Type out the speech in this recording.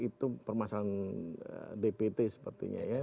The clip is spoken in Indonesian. itu permasalahan dpt sepertinya ya